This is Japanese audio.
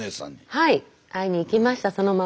はい会いに行きましたそのまま。